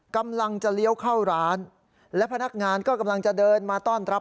กำลังจะเลี้ยวเข้าร้านและพนักงานก็กำลังจะเดินมาต้อนรับ